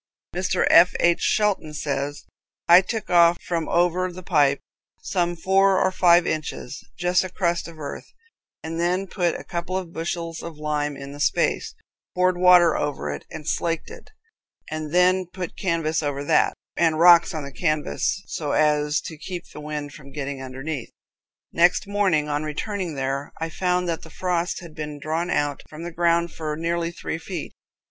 Mr. F. H. Shelton says: "I took off from over the pipe, some four or five inches, just a crust of earth, and then put a couple of bushels of lime in the space, poured water over it, and slaked it, and then put canvas over that, and rocks on the canvas, so as to keep the wind from getting underneath. Next morning, on returning there, I found that the frost had been drawn out from the ground for nearly three feet.